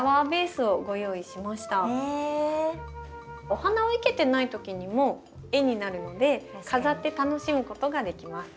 お花を生けてない時にも絵になるので飾って楽しむことができます。